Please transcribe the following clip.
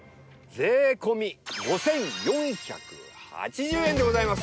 税込５４８０円でございます！